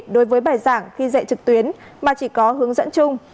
đối với bài giảng khi dạy trực tuyến mà chỉ có hướng dẫn chung